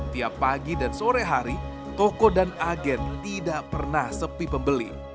tiap pagi dan sore hari toko dan agen tidak pernah sepi pembeli